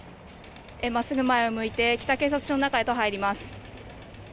真っすぐ前を向いて北警察署の中へと入ります。